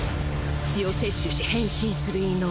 血を摂取し変身する異能！